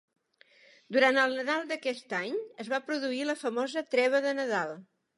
Durant el Nadal d'aquest any es va produir la famosa Treva de Nadal.